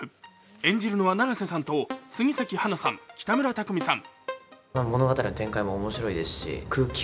演じるのは永瀬さんと杉咲花さん、北村匠海さん。